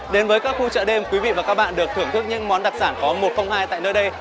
đến với các khu chợ đêm quý vị và các bạn được thưởng thức những món đặc sản có một trong hai tại nơi đây